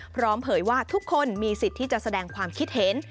เผยว่าทุกคนมีสิทธิ์ที่จะแสดงความคิดเห็น